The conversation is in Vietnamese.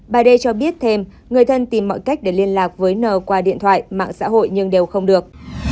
bà đê cho biết thêm người thân tìm mọi cách để liên lạc với n qua điện thoại mạng xã hội nhưng đều không được